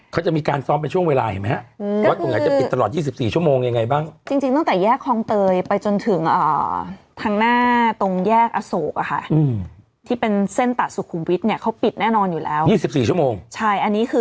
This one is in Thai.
เขามีการซ้อมเนี๊ยะน้องแต่เขาจะซ้อมด้วยช่วงอ่า